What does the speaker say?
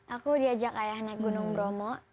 aku diajak ayah naik gunung bromo